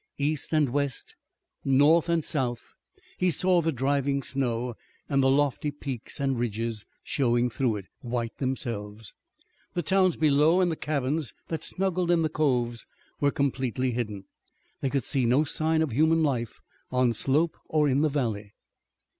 East and west, north and south he saw the driving snow and the lofty peaks and ridges showing through it, white themselves. The towns below and the cabins that snuggled in the coves were completely hidden. They could see no sign of human life on slope or in valley.